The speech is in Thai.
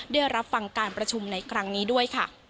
ได้รับฟังการประชุมในครั้งนี้ด้วยค่ะ